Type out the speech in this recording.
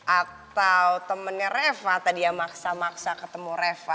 atau temennya reva tadi ya maksa maksa ketemu reva